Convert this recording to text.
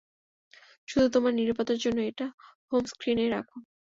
শুধু তোমার নিরাপত্তার জন্য এটা হোম স্ক্রিনে রাখো।